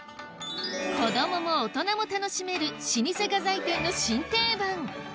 子供も大人も楽しめる老舗画材店の新定番